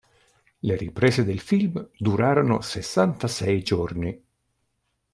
Le riprese del film durarono sessantasei giorni.